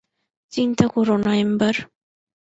চিন্তা করো না, এম্বার।